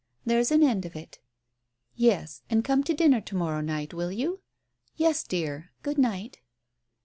There's an end of it " "Yes, and come to dinner to morrow night, will you?" "Yes, dear. Good night